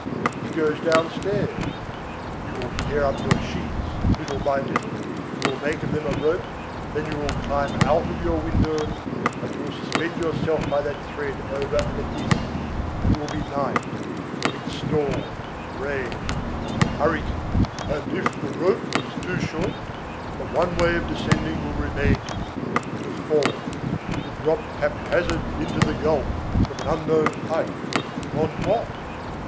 He goes downstairs; you will tear up your sheets, little by little you will make of them a rope, then you will climb out of your window, and you will suspend yourself by that thread over an abyss, and it will be night, amid storm, rain, and the hurricane, and if the rope is too short, but one way of descending will remain to you, to fall. To drop hap hazard into the gulf, from an unknown height, on what?